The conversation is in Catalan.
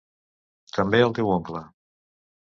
També el teu oncle.